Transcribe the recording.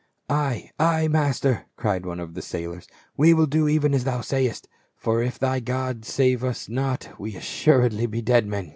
"Ay, ay, master," cried one of the sailors, "we will do even as thou sayest ; for if thy God save us not we be assuredly dead men."